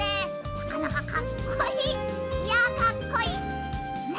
なかなかかっこいい！いやかっこいい！